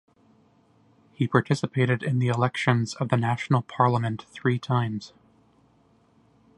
He participated in the elections of the national parliament three times.